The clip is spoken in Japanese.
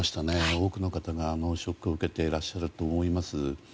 多くの方がショックを受けていらっしゃると思います。